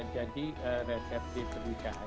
jadi resep di pernikahan